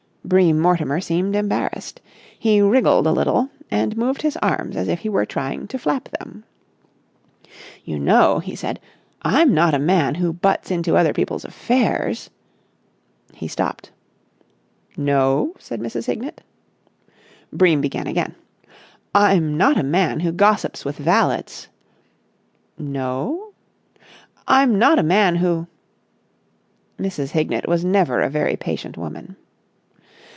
Bream Mortimer seemed embarrassed. He wriggled a little, and moved his arms as if he were trying to flap them. "You know," he said, "I'm not a man who butts into other people's affairs...." He stopped. "No?" said Mrs. Hignett. Bream began again. "I'm not a man who gossips with valets...." "No?" "I'm not a man who...." Mrs. Hignett was never a very patient woman.